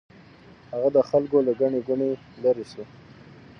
هغه د خلکو له ګڼې ګوڼې لرې شو.